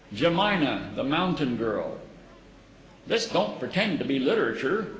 _) JEMINA, THE MOUNTAIN GIRL This don't pretend to be "Literature."